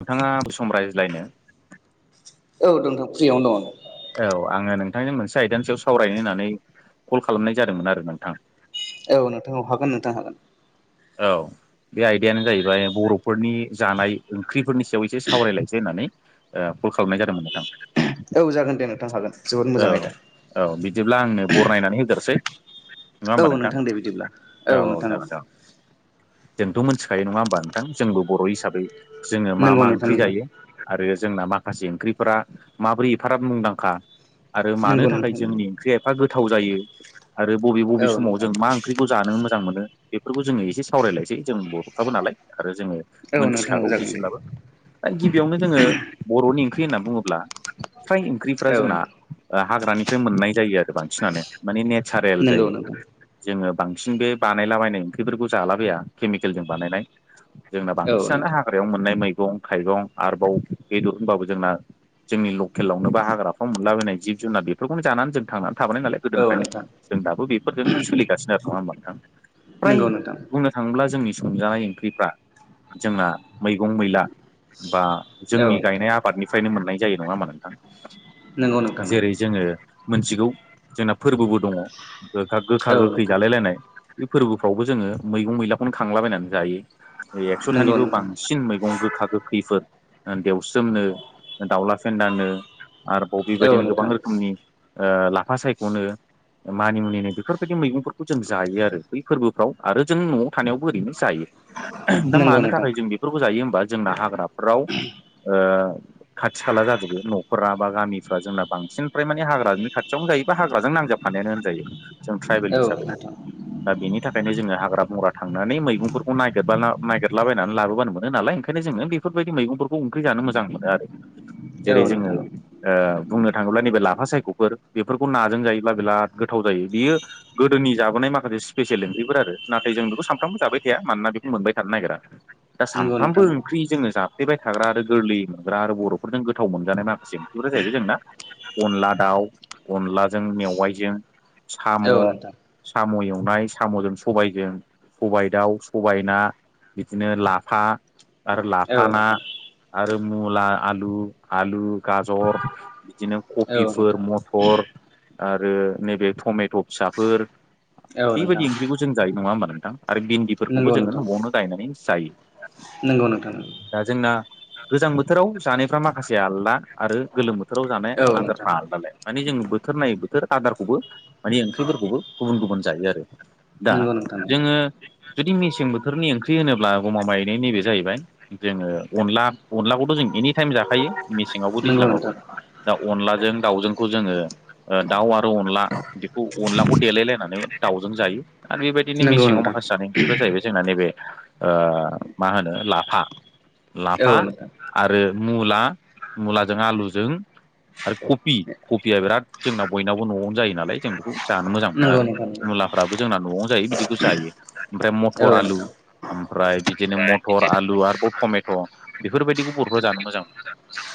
नोंथांआ दसे सम राज्लायनो। औ नोंथां फ्रियावनो दङ आङो। औ आङो नोंथांजों मोनसे आयदानि सयाव सावरायनो होननानै कल खालामनाय जादोंमोन आरो नोंथां। औ नोंथां औ हागोन नोंथां हागोन। औ। बे आयदायानो जाहैबाय बर'फोरनि जानाय ओंख्रिफोरनि सायाव एसे सावरायलायनोसै होननानै ओ कल खालामनाय जादोंमोन नोंथां। औ जागोन दे नोंथां हागोन जोबोद मोजां औ आयदा। औ बिदिब्ला आंनो बरनायनानै होग्रोनोसै। नङा औ होमबा नोंथां, दे बिदिब्ला औ औ नोंथां जागोन जागोन। जोंथ' मोनथिखायो नङा होमबा नोंथां, जोंबो बर' हिसाबै जोङो मा नंगौ मा नोंथां ओंख्रि जायो आरो जोंना माखासे ओंख्रिफोरा माबोरै एफाग्राब मुंदांखा। आरो मानो नंगौ नंगौ थाखाय नोंथां जोंनि ओंख्रिया एफा गोथाव जायो आरो बबे नंगौ बबे औ समाव नोंथां जों मा ओंख्रिखौ जानो मोजां मोनो बेफोरखौ जोङो एसे सावराय लायसै, जों बर'खाबो नालाय आरो जोंनि औ नोंथां औ मोनथिखागौ जागोन दे इसेब्लाबो। दा गिबियावनो जोङो बर'नि ओंख्रि होनना बुङोब्ला फ्राय ओंख्रिफ्रा औ जोंना हाग्रानिफ्राय मोननाय जायो आरो बांसिनानो माने नेचारेल नंगौ जायो नोंथां जोङो बांसिन बे बानायलाबायनाय ओंख्रिफोरखौ जालाबाया केमिकेलजों बानायनाय जोंना औ बांसिनानो नोंथां हाग्रायाव मोननाय मैगं थाइगं आरबाव बेदर होनबाबो जोंना जोंनि लकेलावनो बा हाग्राफ्राव मोनलाबायनाय जिब जुनार बेफोरखौनो जानानै जों थांनानै थाबोनाय नालाय औ गोदोनिफ्रायनो नोंथां जों दाबो बेफोरजोंनो सोलिगासिनो आरो नङा होमबा नोंथां प्राय नंगौ नोंथां बुंनो थाङोब्ला जोंनि संजानाय ओंख्रिफ्रा जोंना मैगं मैला बा औ जोंनि नोंथां गायनाय आबादनिफ्रायनो मोननाय जायो नङा होमबा नोंथां नंगौ नोंथां जेरै जोङो मोनथिगौ जोंना फोरबोबो दङ गोखा गोखा औ गोखै नोंथां जालाय लायनाय बे फोरबोफ्रावबो जोङो मैगं मैलाखौनो खांलाबायनानै जायो ऐ नंगौ एकस'थानिबो नोंथां बांसिन मैगं गोखा गोख खैफोर ओ देवस्रोमनो दाउला फेन्दानो आरोबाव औ बेबायदिनो गोबां नोंथां रोखोमनि ओ लाफा सायख'नो मानि मुनिनो बेफोरबायदि मैगंफोरखौ जों जायो आरो बै फोरबोफ्राव आरो जों न'आव थानायावबो ओरैनो जायो दा नंगौ मानो नोंथां थाखाय जों बे फोरखौ जायो होमबा जोंना हाग्राफोराव ओ खाथि खाला जाजोबो न'खरा बा गामिफ्रा जोंना बांसिन प्राय माने हाग्रानि खाथियावनो जायोबा हाग्राजों नांजाब खानायानो होनजायो जों ट्राइबेल औ हिसाबै दा बेनि थाख ओंखायनो जोङो हाग्रा बंग्रा थांनानै मैगंफोरखौ नागिरबाला नागिरलाबायनानै लाबोबानो मोनो नालाय ओंखायनो जोङो बेफ फोरबायदि मैगंफोरखौ ओंख्रि जानो मोजां मोनो आरो नोंथां औ जेरै जोङो नोंथां ओ बुंनो थाङोब्ला नैबे लाफा सायख'फोर बेफोरखौ नाजों जायोब्ला बिराद गोथाव जायो बियो गोदोनि जाबोनाय माखासे स्पेसियेल ओंख्रि फोर आरो नाथाय जों बेखौ सानफ्रामबो जाबाय थाया मानोना बेखौ मोनबाय थानो नागिरा दा नंगौ नोंथां सानफ्रामबो ओंख्रि जोङो जा बाय थाग्रा आरो गोरलैयै मोनग्रा आरो बर'फोरजों गोथाव मोनजानाय माखासे ओंख्रिफोरा जाहैबाय जोंना अनला दाउ अनलाजों मेवाइजों साम' औ नोंथां औ नोंथां साम' एवनाय साम'जों स सबायजों सबाय दाउ सबाय ना बिदिनो लाफा आरो औ लाफा ना आरो मुला आलु आलु गाजर बिदिनो नोंथां कपिफोर मत तर आरो नैबे थमेथ फिसाफोर औ नोंथां बेबायदि ओंख्रिखौ जों जायो नङा होमबा नोंथां आरो नंगौ भिन्दिफोरखौबो जोङो न'आवनो गायनानै जायो नोंगौ नोंथां नोंगौ दा जोंना गोजां बोथोराव जानायफ्रा माखासे आलदा आरो गोलोम बोथोराव जानाय औ नोंथां आदारफ्रा आलदालाय माने जोङो बोथोर नायै बोथोर आदारखौबो मानि ओंख्रिफोरखौबो गुबुन गुबुन जायो आरो दा नंगौ नोंथां जोङो जुदि मेसें बोथोरनि ओंख्रि होनोब्ला गमा मायैनाय नैबे जाहैबाय जोङो अनला अनलाखौथ' जों एनिटाइम जाखायो मेसेङावबो नंगौ नंगौ दैज्लाङावबो नोंथां दा अनलाजों दाउजोंखौ जोङो ओ दाउ आरो अनला बेखौ अनलाखौ देलायलायनानै दाउजों जायो आरो बेबायदिनो नंगौ मेसेंङाव नोंथां माखासे जानाय ओंख्रिफ्रा जाहैबाय जोंना नैबे मा होनो लाफा लाफा औ नोंथां आरो मुला मुलाजों आलुजों आरो कपि कपिया बिराद जोंनाव बयनावबो न'आवनो जायो नालाय जों बेखौ जानो मोजां मोनो नंगौ आरो नोंथां मुलाफ्राबो जोंना न'आवनो जायो बिदिखौ जायो ओमफ्राय औ मटर आलु नोंथां ओमफ्राय बिदिनो मटर आलु आरोबाव टमेट' बेफोरबायदिखौ बर'फ्रा जानो मोजां मोनो।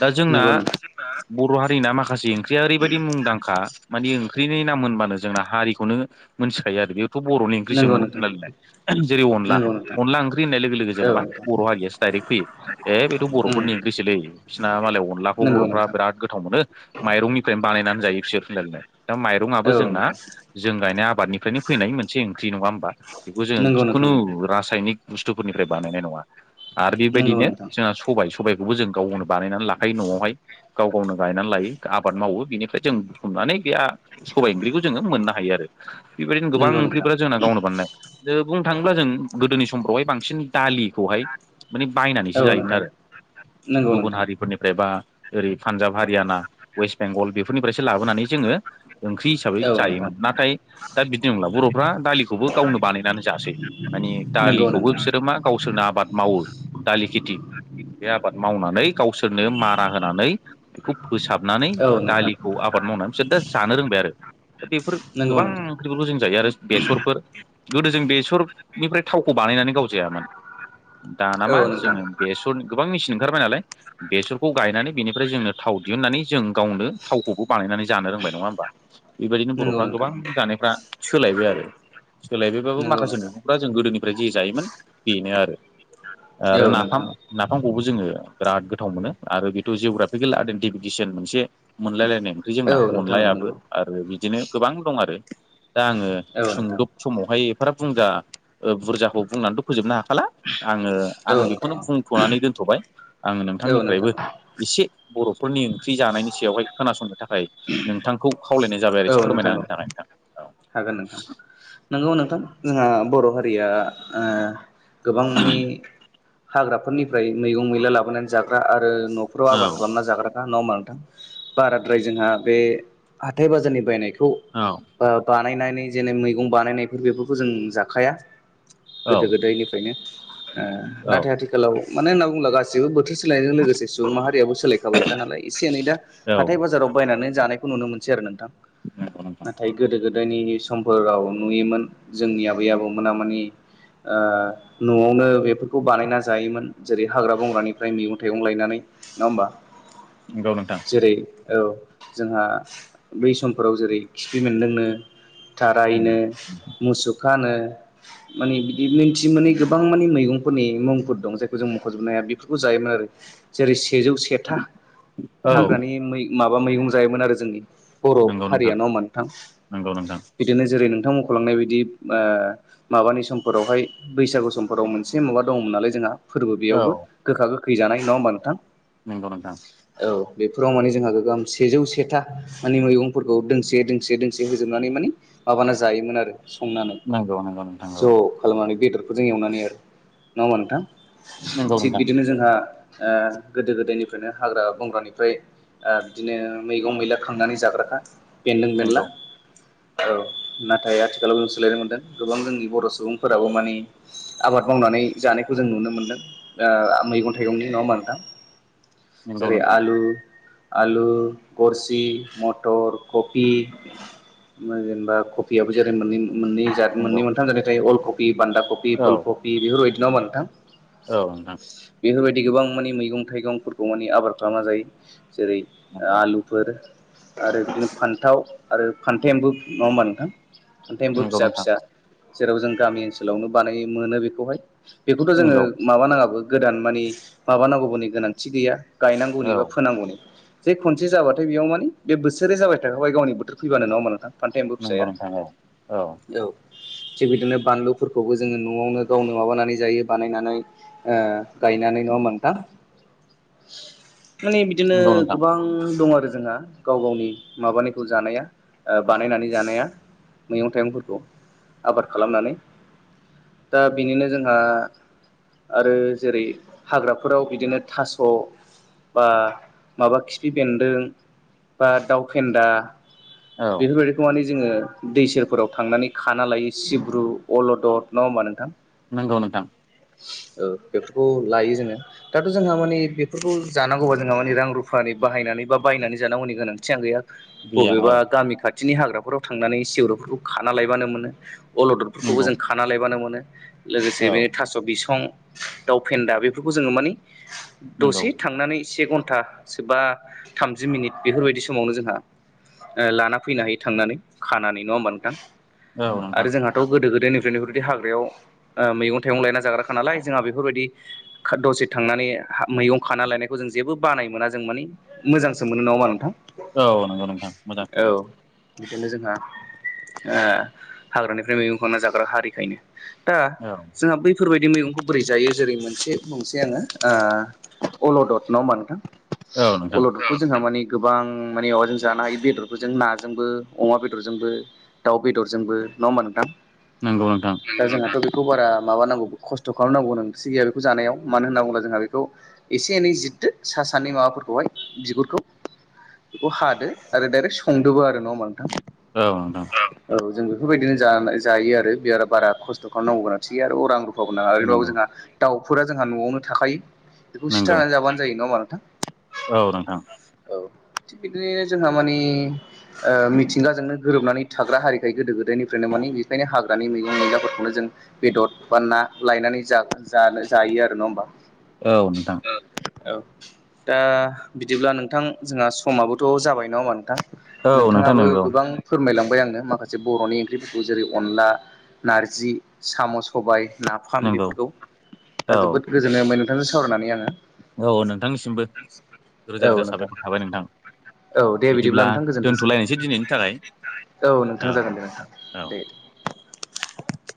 दा जोंना नंगौ नोंथां बर' हारिना माखासे ओंख्रिया ओरैबायाददि मुंदांखा मानिे ओंख्रिनि नाम होनबानो जोंना हारिखौनो मोनथिखायो आरो बेयावथ' बर'नि नंगौ ओंख्रिसोमोन नोंथां होनलायनाय जेरै अनला नंगौ नोंथां अनला ओंख्रि होननाय लोगो लोगो औ जेनेबा नोंथां बर' हारियासो डाइरेक्ट फैयो। ए बेथ' उम बर'फोरनि ओंख्रिसोलै बिससिना मालायाव अनलाखौ नंगौ बर'फ्रा नोंथां बिराद गोथाव मोनो। माइरंनिफ्रायनो बानायनानै जायो बिसोरफोरलायलायनो दा माइरङाबो औ जोंना नोंथां जों गायनाय आबादनिफ्रायनो फैनाय मोनसे ओंख्रि नङा होमबा बेखौ जोङो नंगौ नोंथां जिखुनु रासायनिक बुस्थुफोरनिफ्राय बानायनाय नङा। आरो नंगौ बेबायदिनो नोंथां जोंहा सबाय सबायखौबो जों गावनो बानायनानै लाखायो न'आवहाय गाव गावनो गायनानै लायो आबाद मावो बिनिफ्राय जों बुखुमनानै बेहा सबाय ओंख्रिखौ जोङो मोननो हायो आरो बेबायदिनो गोबां नंगौ नोंथां ओंख्रिफोरा जोंना गावनो बानायनाय जों बुंनो थाङोब्ला जों गोदोनि समखोवहाय बांसिन दालिखौहाय माने बायनानैसो औ जायोमोन नोंथां आरो नंगौ गुबुन नोंथां हारिफोरनिफ्राय बा ओरै पान्जाब हारियाना उइस बेंगल बेफोरनिफ्रायसो लाबोनानै जोङो ओंख्रि हिसाबै औ नोंथां जायोमोन नाथाय दा बिदि नंला बर'फ्रा दालिखौबो गावनो बानायनानै जायो। माने नंगौ दालिखौबो नोंथां बिसोरो मा गावसोरनो आबाद मावो दालि खेथि बे आबाद मावनानै गावसोरनो मारा होनानै बेखौ फोसाबनानै औ नोंथां दालिखौ आबाद मावनानै बिसोर दा जानो रोंबाय आरो दा बेफोर नंगौ गोबां नोंथां ओंख्रिफोरखौ जों जायो आरो बेसरफोर गोदो जों बेसरनिफ्राय थावखौ बानायनानै गावजायामोन दा नामा औ नोंथां जोङो बेसर गोबां मेसिन ओंखारबाय नालाय। बेसरखौ गायनानै बेनिफ्राय जोंनो थाव दिहुननानै जों गावनो थावखौबो बानायनानै जानो रोंबाय नङा होमबा। बेबायदिनो नंगौ बर'फ्रा नोंथां गोबां जानायफ्रा सोलायबाय आरो सोलायबायबाबो नंगौ माखासे नोंथां जों गोदोनिफ्राय जे जायोमोन बेनो आरो औ नोंथां औ नाफाम नोंथां नाफामखौबो जोङो बिराद गोथाव मोनो आरो बेथ' जिअ'ग्राफिकेल आइडेन्टिफिकेसन मोनसे मोनलायलायनाय ओंख्रि जोंना औ अनलायाबो नंगौ आरो बिदिनो गोबां दं आरो। दा आङो औ नोंथां सुंदब समावहाय एफाराब बुंजा बुरजाखौ बुंनानैथ' फोजोबनो हाखाला आङो आं औ बेखौनो नोंथां बुंथ'नानै दोनथ'बाय आङ औ नोंथां नोंथांनिफ्रायबो एसे बर'फोरनि ओंख्रि जानायनि सायावहाय खोनासंनो थाखाय नोंथांखौ खावलाय जाबाय औ आरोख फोरमायना नोंथां औ होनो थाखाय नोंथां। औ हागोन नोंथां। ओव नोंगोव नोंथां जोंहा बर' हारिया ओ गोबां माने हाग्राफोरनिफ्राय मैगं मैला लाबोनानै जाग्रा आरो न' फोराव आबाद खालामना जाग्राखा न' होनबा नोंथां बाराद्राय जोंहा बे हाथाइ बाजारनि बायनायखौ औ। ओ बानायनानै जेनै मैगं बानायनायफोर बेफोरखौ जों जाखाया। औ गोदो गोदायनिफ्रायनो ओ औ नाथाय आथिखालाव मानो होनना बुंब्ला गासिबो। गासिबो बोथोर सोलायनायजों लोगोसे सुबुं माहारियाबो सोलायखाबायखा नालाय एसे एनै दा औ हाथाय बाजाराव बायनानै जानायखौ नुनो मोनसै आरो नोंथां नाथाय गोदो गोदाय गोदोनि समफोराव नुयोमोन जोंनि आबै आबौमोना मानि ओ न'आवनो बेफोरखौ बानायना जायोमोन जेरै हाग्रा बंग्रानिफ्राय मैंगं थाइगं लायनानै नङा होमबा? नंगौ नोंथां। जेरै औ जोंहा बै समफोराव जेरै खिफि बेन्दोंनो थारायनो मुसुखानो, माने बिदि मिन्थि मोनै गोबां माने मैगंफोरनि मुंफोर दं जायखौ जों मख'जोबनो हाया बेफोरखौ जायोमोन आरो! जेरै सेजौ सेथा औ हाग्रानि मै माबा मैगं जायोमोन आरो जोंनि! बर' हारिया न' होनबा नोंथां नंगौ नोंथां बिदिनो जेरै नोंथां मख'लांनाय बायदि बा माबानि समफोरावहाय बैसागु समफोराव मोनसे माबा दङमोन नालाय जोंहा! फोरबो औ बेयावबो गोखा गोखै जानाय नङा होमबा नोंथां? नगौ नोंथां! औ बेफोराव माने जोंहा गोगोम सेजौ सेथा! माने मैगंफोरखौ दोंसे दोंसे दोंसे होजोबनानै माने माबाना जायोमोन आरो! संनानै नंगौ नोंथां औ ज'! खालामनानै बेदरफोरजों एवनानै आरो नङा होमबा नोंथां नंगौ थिग नोंथां बिदिनो जोंहा ओ गोदो गोदायनिफ्रायनो हाग्रा बंग्रानिफ्राय ओ बिदिनो मैगं मैला खांनानै जाग्राखा बेदों बेनला! नंगौ औ नाथाय आथिखालाव जों सोलायनो मोनदों गोबां जोंनि बर' सुबुंफोराबो माने आबाद मावनानै जानायखौ जों नुनो मोन्दों ओ मैगं माथांनि नङा होनबा नोंथां! नंगौ नोंथां औ नंगौ नोंथां नंगौ जेरै नोंथां आलु आलु गरसि जि मतर कफि जेनेबा कफियाबो मोननै मोननै जात मोननै नंगौ मोनथाम जानायथाय अलकपि बान्दा कफि औ फुल कफि बेफोरबायदि नङा होनबा नोंथां? औ नोंथां बेफोरबायदि गोबां मानि मैगं थाइगंफोरखौ मानि आबाद खालामना जायो जेरै नंगौ आलु फोर आरो बिदिनो फान्थाव आरो फान्थेमबो नङा होमबा नोंथां? फान्थेमबो नंगौ फिसा नोंथां फिसा जेराव जों गामि ओनसोलावनो बानाय मोनो बेखौहाय! बेखौथ' जोङो नंगौ माबाानाङाबो गोदान मानि माबानांगौबोनि गोनांथि गैया! औ गायनांगौनिबो फोनांगौनिबो जे खनसे जाबाथाय ओम बेयाव मोन बे बोसोरै जाबाय थाखाबाय गावनि बोथोर फैबानो नङा होनबा नोंथां? फान्थेम नंगौ फिसाया नोंथां औ औ थिग बिदिनो बानलुफोरखौबो जोङो न'आवनो गावनो माबानानै जायो बानायनानै! ओ गायनानै न' होनबा नोंथां? माने बिदिनो नंगौ नोंथां गोबां दं आरो जोंहा गाव गावनि माबानायखौ जानाया ओ बानायनानै जानाया मैगं थाइगंफोरखौ आबाद खालामनानै! दा बेनिनो जोंहा आरो जेरै हाग्राफोराव बिदिनो थास' बा माबा खिफि बेन्दों, बा दाउ फेन्दा औ बेफोरबायदि फुंआवनो जोङो दै सेरफोराव थांनानै खाना लायो सिब्रु अलदद नङा होमबा नोंथां? नंगौ नोंथां ओ बेफोरखौ लायो जोङो दाथ' जोंहा मानि बेफोरखौ जानांगौबा जोंहा माने रां रुफानि बाहायनानै बा बायनानै जानांगौनि गोनांथि आं गैया गैया औ बबेबा गामि खाथि खाथिनि हाग्राफोराव थांनानै सिवर'फोरखौ खाना लायबानो मोनो अलदरफोरखौबो नंगौ जों खाना लायबानो मोनो लोगोसे औ बे था बिसं दाउ फेन्दा बेफोरखौ जोङो मानि नंगौ दसे थांनानै से घन्टा सोबा थामजि मिनिट बेफोरबायदि समावनो जोंहा ओ लाना फैनो हायो थांनानै खानानै नङा होमबा नोंथां औ आरो नोंथां जोंहा दाथ' गोदो गोदोनिफ्रायनो बेफोरबायदि हाग्रायाव मैगं थगं लायना जाग्राख नालाय जोंहा बेफोरबायदि। दसे थांनानै मैगं खानालायनायखौ जेबो बानाय मोना जों मानिे मोजांसो मोनो नङा होनबा नोंथां। औ नंगौ नोंथां मोजां मोनो। बिदिनो जोंहा ओ हाग्रानिफ्राय मैगं खना जाग्रा हारिखायनो। दा औ जोंहा बैफोरबायदि मैगंखौ बोरै जायो जेरै मोनसे बुंंसेै आंङो ओ अल'दत न' होनबा नोथां। औ नोंथां। बेखौ जोंहा माने गोबां माने माबाजों जानाय बेदरफोरजों नाजोंबो अमा बेदरजोंबो। दाउ बेदरजोंबो नङा होमबा नोंथां। नंगौ नोंथां। दा जोंहाथ' बेखौ बारा माबानांगौ खस्थ' खालामनांगौ नोंसि गैया बेखौ जानायाव मानो होनना बुङोब्ला जोंहा बेखौ एसे एनै जिरदो सा सानै माबाफोरखौहाय बिगुरखौ बेखौ हादो आरो डाइरेक्ट संदबो आरो नङा होमबा नोंथां औ नोंथां औ जों बेफोरबायदिनो जायो आरो बिराद बारा खस्थ' खालामनांगौ गोन आरो थिायो आरो अरां रु ओरैाबो नंगौ जोंहा दाउफोरा जोंहा न'आवनो थाखायो बेखौ नंगौ सिथारनानै जाबानो जायो नङा हामा नोंथां औ नोंथां औ थिग बिदिनोनो जोंहा मानिे ओ मिथिंगाजोंनो गोरोबनानै थाग्रा हारिखाय गोदो गोदायनिफ्रायनो मानि बेखायनो हाग्रानि मैगं मैगाफोरखौनो जों बेदर बा ना लायनानै जानो जायो आरो नङा होम्बा। औ नोंथां। औ। दा बिदिब्ला नोंथां जोंहा समाबोथ' जाबाय न' होम्बा नोंथां औ नोंथां नोंथाङाबो नंगौ गोबां। फोरमायलांबाय आंङो माखासे बर'नि ओंख्रिफोरखौ जेरै अनला नारजि साम' सबाय। नाफाम नंगौ बेफोरखौ औ जोबोद गोजोननाय नोंथांजों सावरायनानै आंङो औ नोंथांनिसिमबो रोजा आङो रोजा औ नोंथां साबायखर थाबाय नोंथां औ दे बिदिब्ला नोंथां गोजोनथोंसै दोनथ'लायनोसै दिनैनि थाखाय नोंथां औ जागोन दे नोंथां औ। दे